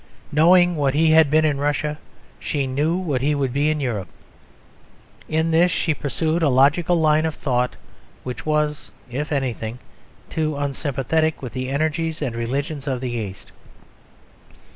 Knowing what he had been in Russia, she knew what he would be in Europe. In this she pursued a logical line of thought which was, if anything, too unsympathetic with the energies and religions of the East.